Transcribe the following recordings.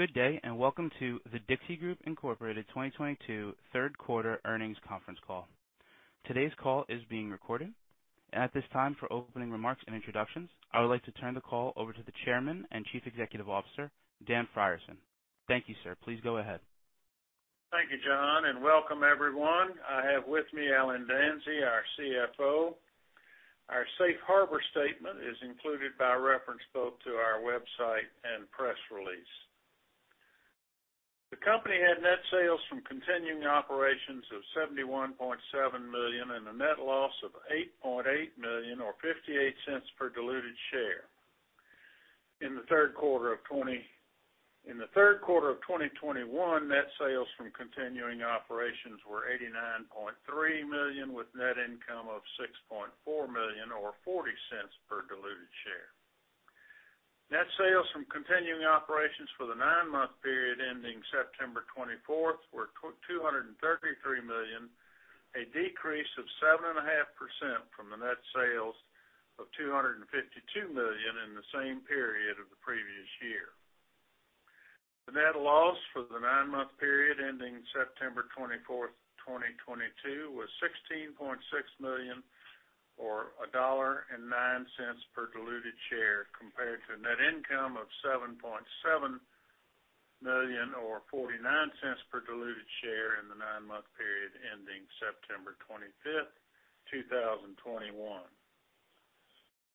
Good day, and welcome to The Dixie Group, Inc 2022 third quarter earnings conference call. Today's call is being recorded. At this time, for opening remarks and introductions, I would like to turn the call over to the Chairman of the Board and Chief Executive Officer, Dan Frierson. Thank you, sir. Please go ahead. Thank you, John, and welcome everyone. I have with me Allen L. Danzey, our Chief Financial Officer. Our safe harbor statement is included by reference both to our website and press release. The company had net sales from continuing operations of $71.7 million and a net loss of $8.8 million or $0.58 per diluted share. In the third quarter of 2021, net sales from continuing operations were $89.3 million, with net income of $6.4 million or $0.40 per diluted share. Net sales from continuing operations for the nine-month period ending September 24 were $233 million, a decrease of 7.5% from the net sales of $252 million in the same period of the previous year. The net loss for the nine-month period ending September 24th, 2022 was $16.6 million or $1.09 per diluted share, compared to a net income of $7.7 million or $0.49 per diluted share in the nine-month period ending September 25th, 2021.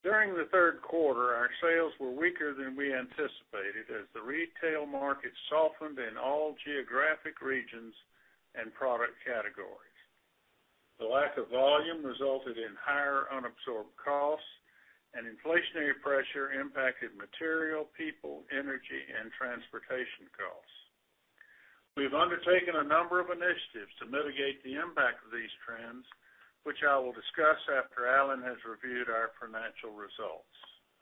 During the third quarter, our sales were weaker than we anticipated as the retail market softened in all geographic regions and product categories. The lack of volume resulted in higher unabsorbed costs, and inflationary pressure impacted material, people, energy, and transportation costs. We've undertaken a number of initiatives to mitigate the impact of these trends, which I will discuss after Allen has reviewed our financial results.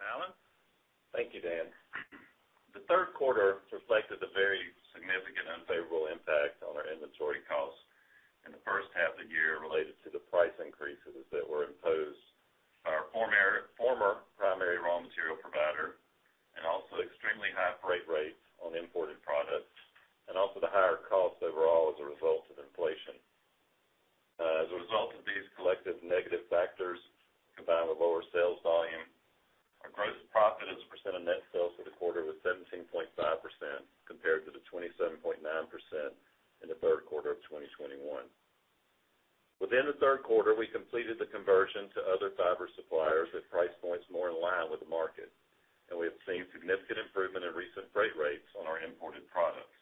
Allen? Thank you, Dan. The third quarter reflected a very significant unfavorable impact on our inventory costs in the H1 of the year related to the price increases that were imposed by our former primary raw material provider, and also extremely high freight rates on imported products, and also the higher cost overall as a result of inflation. As a result of these collective negative factors, combined with lower sales volume, our gross profit as a percent of net sales for the quarter was 17.5% compared to the 27.9% in the third quarter of 2021. Within the third quarter, we completed the conversion to other fiber suppliers at price points more in line with the market, and we have seen significant improvement in recent freight rates on our imported products.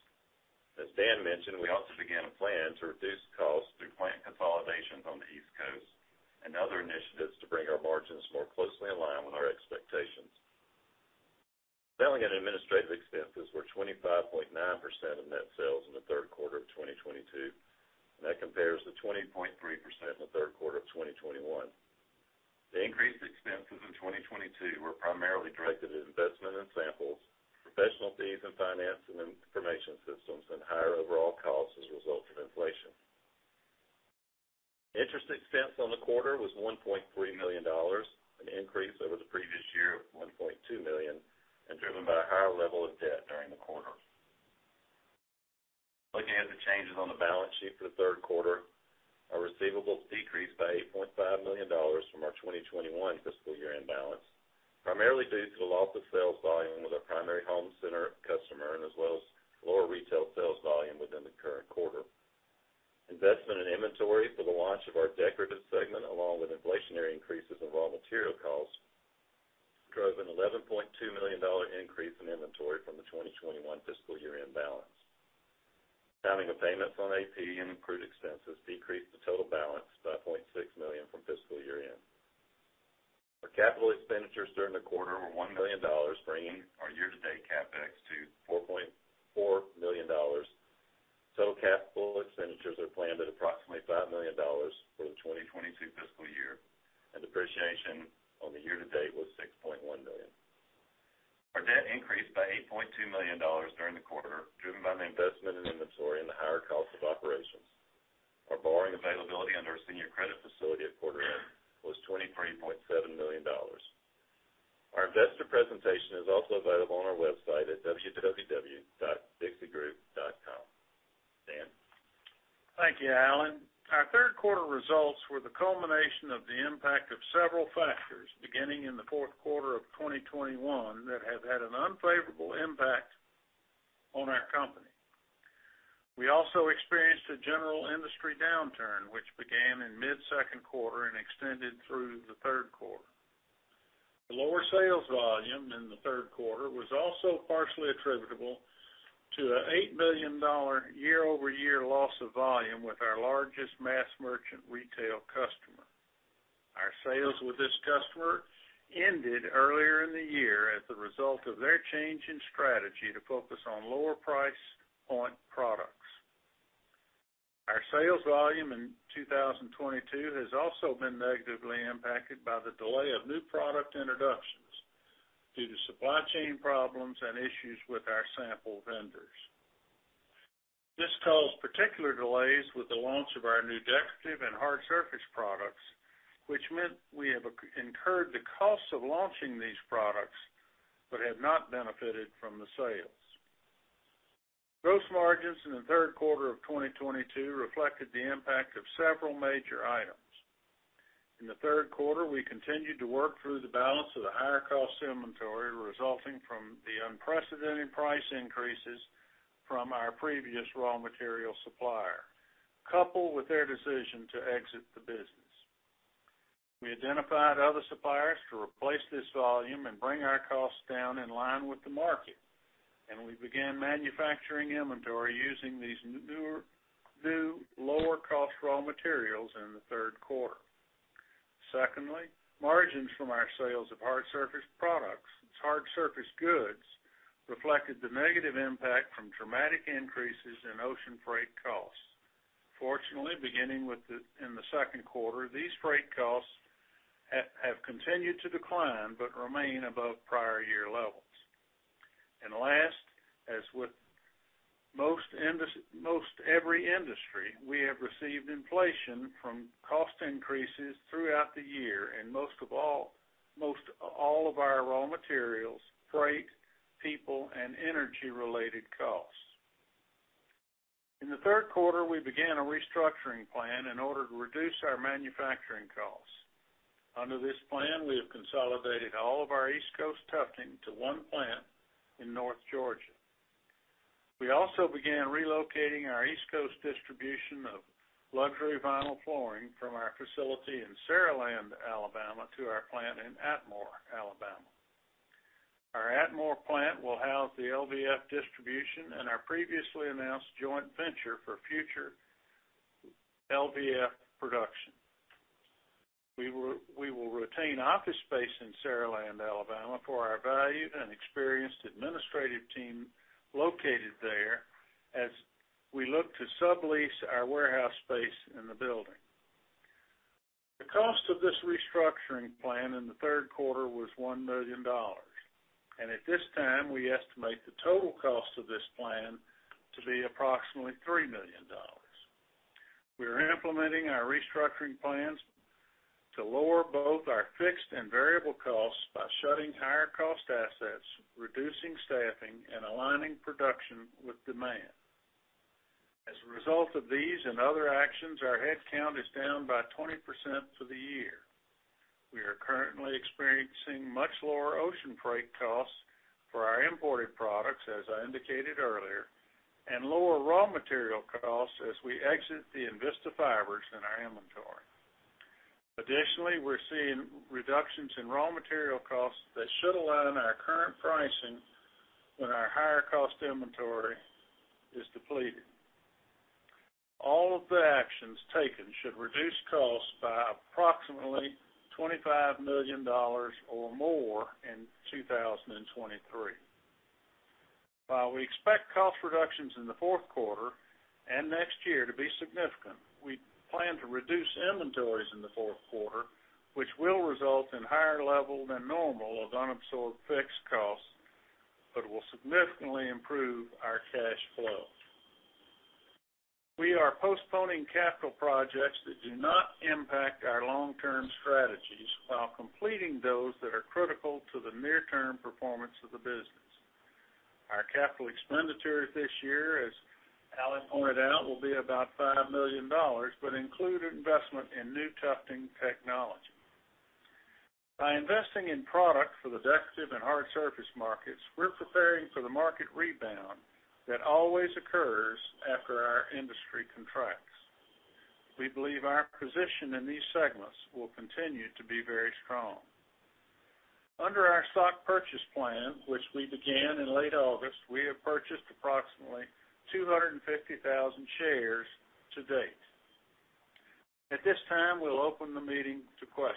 As Dan mentioned, we also began a plan to reduce costs through plant consolidations on the East Coast and other initiatives to bring our margins more closely in line with our expectations. Selling and administrative expenses were 25.9% of net sales in the third quarter of 2022, and that compares to 20.3% in the third quarter of 2021. The increased expenses in 2022 were primarily directed at investment in samples, professional fees in finance and information systems, and higher overall costs as a result of inflation. Interest expense on the quarter was $1.3 million, an increase over the previous year of $1.2 million, and driven by a higher level of debt during the quarter. Looking at the changes on the balance sheet for the third quarter, our receivables decreased by $8.5 million from our 2021 fiscal year-end balance, primarily due to the loss of sales volume with our primary home center customer and as well as lower retail sales volume within the current quarter. Investment in inventory for the launch of our decorative segment, along with inflationary increases of raw material costs, drove an $11.2 million increase in inventory from the 2021 fiscal year-end balance. Timing of payments on AP and accrued expenses decreased the total balance by $0.6 million from fiscal year-end. Our capital expenditures during the quarter were $1 million, bringing our year-to-date CapEx to $4.4 million. Capital expenditures are planned at approximately $5 million for the 2022 fiscal year, and depreciation on the year-to-date was $6.1 million. Our debt increased by $8.2 million during the quarter, driven by the investment in inventory and the higher cost of operations. Our borrowing availability under our senior credit facility at quarter end was $23.7 million. Our investor presentation is also available on our website at www.thedixiegroup.com. Dan? Thank you, Allen. Our third quarter results were the culmination of the impact of several factors beginning in the fourth quarter of 2021 that have had an unfavorable impact on our company. We also experienced a general industry downturn, which began in mid-second quarter and extended through the third quarter. The lower sales volume in the third quarter was also partially attributable to an $8 million year-over-year loss of volume with our largest mass merchant retail customer. Our sales with this customer ended earlier in the year as a result of their change in strategy to focus on lower-priced products. Our sales volume in 2022 has also been negatively impacted by the delay of new product introductions due to supply chain problems and issues with our sample vendors. This caused particular delays with the launch of our new decorative and hard surface products, which meant we have incurred the cost of launching these products but have not benefited from the sales. Gross margins in the third quarter of 2022 reflected the impact of several major items. In the third quarter, we continued to work through the balance of the higher cost inventory resulting from the unprecedented price increases from our previous raw material supplier, coupled with their decision to exit the business. We identified other suppliers to replace this volume and bring our costs down in line with the market, and we began manufacturing inventory using these new lower-cost raw materials in the third quarter. Secondly, margins from our sales of hard surface products as hard surface goods reflected the negative impact from dramatic increases in ocean freight costs. Fortunately, beginning in the second quarter, these freight costs have continued to decline but remain above prior year levels. Last, as with most every industry, we have received inflation from cost increases throughout the year and most all of our raw materials, freight, people, and energy-related costs. In the third quarter, we began a restructuring plan in order to reduce our manufacturing costs. Under this plan, we have consolidated all of our East Coast tufting to one plant in North Georgia. We also began relocating our East Coast distribution of luxury vinyl flooring from our facility in Saraland, Alabama, to our plant in Atmore, Alabama. Our Atmore plant will house the LVT distribution and our previously announced joint venture for future LVT production. We will retain office space in Saraland, Alabama, for our valued and experienced administrative team located there as we look to sublease our warehouse space in the building. The cost of this restructuring plan in the third quarter was $1 million, and at this time, we estimate the total cost of this plan to be approximately $3 million. We are implementing our restructuring plans to lower both our fixed and variable costs by shutting higher cost assets, reducing staffing, and aligning production with demand. As a result of these and other actions, our headcount is down by 20% for the year. We are currently experiencing much lower ocean freight costs for our imported products, as I indicated earlier, and lower raw material costs as we exit the INVISTA fibers in our inventory. Additionally, we're seeing reductions in raw material costs that should align our current pricing when our higher cost inventory is depleted. All of the actions taken should reduce costs by approximately $25 million or more in 2023. While we expect cost reductions in the fourth quarter and next year to be significant, we plan to reduce inventories in the fourth quarter, which will result in higher level than normal of unabsorbed fixed costs, but will significantly improve our cash flow. We are postponing capital projects that do not impact our long-term strategies while completing those that are critical to the near-term performance of the business. Our capital expenditures this year, as Allen L. Danzey pointed out, will be about $5 million, but include investment in new tufting technology. By investing in products for the decorative and hard surface markets, we're preparing for the market rebound that always occurs after our industry contracts. We believe our position in these segments will continue to be very strong. Under our stock purchase plan, which we began in late August, we have purchased approximately 250,000 shares to date. At this time, we'll open the meeting to questions.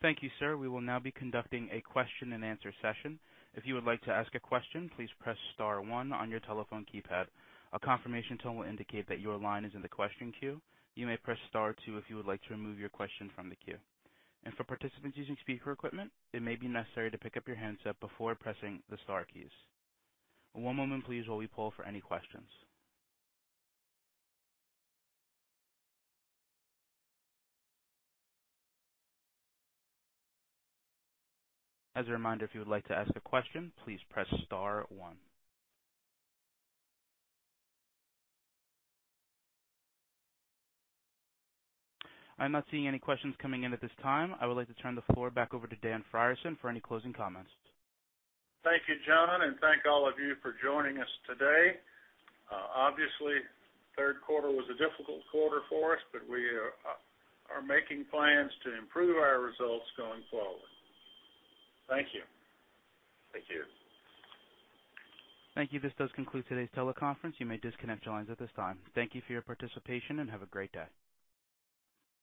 Thank you, sir. We will now be conducting a question-and-answer session. If you would like to ask a question, please press star one on your telephone keypad. A confirmation tone will indicate that your line is in the question queue. You may press star two if you would like to remove your question from the queue. For participants using speaker equipment, it may be necessary to pick up your handset before pressing the star keys. One moment please while we poll for any questions. As a reminder, if you would like to ask a question, please press star one. I'm not seeing any questions coming in at this time. I would like to turn the floor back over to Dan Frierson for any closing comments. Thank you, John, and thank all of you for joining us today. Obviously, third quarter was a difficult quarter for us, but we are making plans to improve our results going forward. Thank you. Thank you. Thank you. This does conclude today's teleconference. You may disconnect your lines at this time. Thank you for your participation, and have a great day.